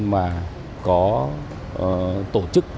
mà có tổ chức